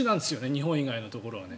日本以外のところだと。